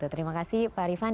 terima kasih pak ariefan